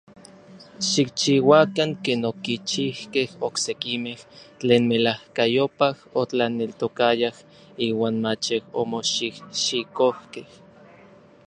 Xikchiuakan ken okichijkej oksekimej tlen melajkayopaj otlaneltokayaj iuan mach omoxijxikojkej.